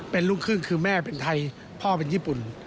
เป็นลูกครึ่งคือแม่เป็นไทยพ่อเป็นญี่ปุ่น